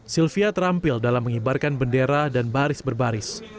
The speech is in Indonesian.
sylvia terampil dalam mengibarkan bendera dan baris berbaris